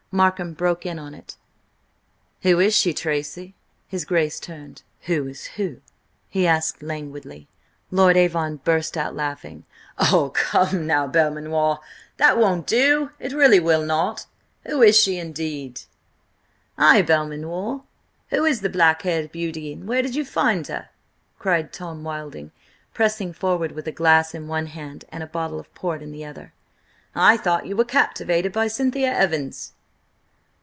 Markham broke in on it: "Who is she, Tracy?" His Grace turned. "Who is who?" he asked languidly. Lord Avon burst out laughing. "Oh, come now, Belmanoir, that won't do! It really will not! Who is she, indeed!" "Ay, Belmanoir, who is the black haired beauty, and where did you find her?" cried Tom Wilding pressing forward with a glass in one hand and a bottle of port in the other. "I thought you were captivated by Cynthia Evans?"